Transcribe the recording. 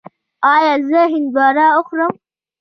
ایا زه هندواڼه وخورم؟